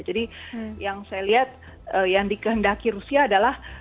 jadi yang saya lihat yang dikendaki rusia adalah